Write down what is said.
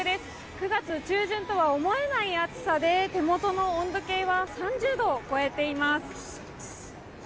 ９月中旬とは思えない暑さで手元の温度計は３０度を超えています。